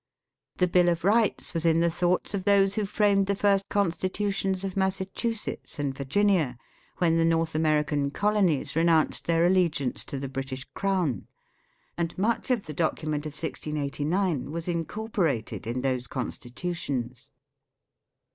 The Bill of Rights was in the thoughts of those who framed the first Constitutions of Massachu setts and Virginia when the North American Colonies renounced their allegiance to the British Crown ; and much of the document of 1689 was incorporated in those Constitutions.